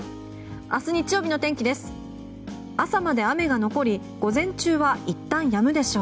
明日、日曜日の天気です。